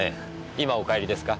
今お帰りですか？